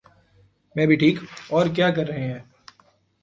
میں بھی ٹھیک۔ اور کیا کر رہے ہیں؟